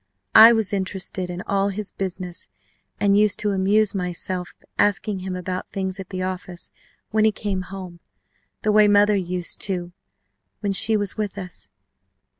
I was interested in all his business, and used to amuse myself asking him about things at the office when he came home, the way mother used to do when she was with us.